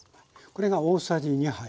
これが大さじ２杯。